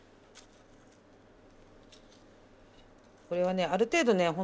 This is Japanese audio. これはねある程度ね